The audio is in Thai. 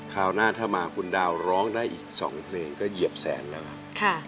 คราวหน้าถ้ามาคุณดาวร้องได้อีก๒เพลงก็เหยียบแสนแล้วครับ